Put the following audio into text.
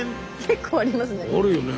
結構ありますね。